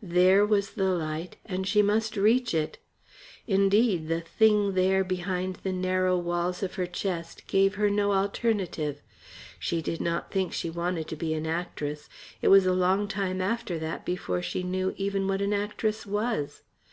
There was the light and she must reach it. Indeed the Thing there behind the narrow walls of her chest gave her no alternative. She did not think she wanted to be an actress. It was a long time after that before she knew even what an actress was.